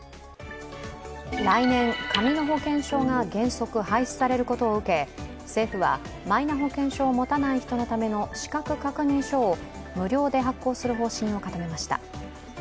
来年、紙の保険証が原則廃止されることを受け、政府は、マイナ保険証を持たない人のための資格確認書を無料で発行する方針を固めました。